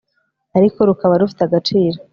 ariko rukaba rufite agaciro